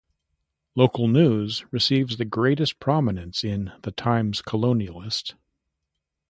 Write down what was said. Local news receives the greatest prominence in the "Times Colonist".